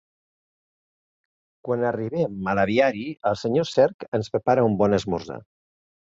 Quan arribem a l'aviari el senyor Cerc ens prepara un bon esmorzar.